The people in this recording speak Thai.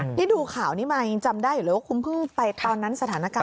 นี่ดูข่าวนี้มายังจำได้อยู่เลยว่าคุณเพิ่งไปตอนนั้นสถานการณ์